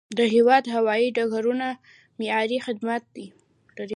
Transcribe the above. د هیواد هوایي ډګرونه معیاري خدمات لري.